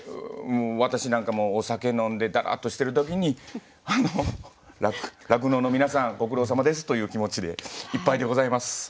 私なんかもうお酒飲んでだらっとしてる時に「酪農の皆さんご苦労さまです」という気持ちでいっぱいでございます。